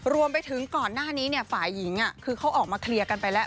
รวมไปถึงก่อนหน้านี้ฝ่ายหญิงคือเขาออกมาเคลียร์กันไปแล้ว